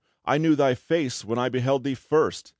I knew thy face when I beheld thee first!